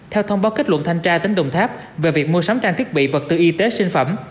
theo thông báo kết luận thanh tra tỉnh đồng tháp về việc mua sắm trang thiết bị vật tư y tế sinh phẩm